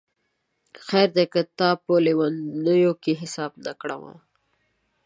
خیر دی که تا په لېونیو کي حساب نه کړمه